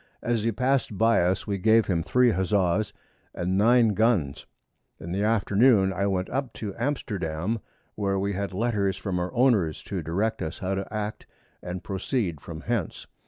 As he pass'd by us, we gave him 3 Huzza's and 9 Guns. In the Afternoon I went up to Amsterdam, where we had Letters from our Owners, to direct us how to act and proceed from hence.